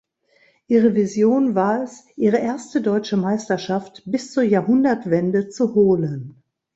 Ihre Vision war es, ihre erste Deutsche Meisterschaft bis zur Jahrhundertwende zu holen.